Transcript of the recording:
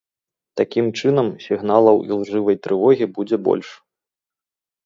Такім чынам, сігналаў ілжывай трывогі будзе больш.